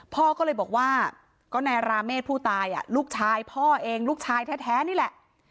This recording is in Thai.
พ่อก็เลยบอกว่าก็นายราเมฆผู้ตายลูกชายพ่อเองลูกชายแท้นี่แหละ